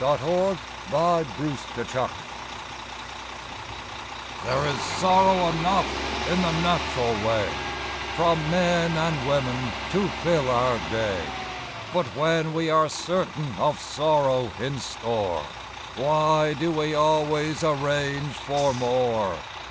THE POWER OF THE DOG There is sorrow enough in the natural way From men and women to fill our day; But when we are certain of sorrow in store, Why do we always arrange for more?